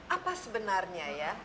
apa sebenarnya ya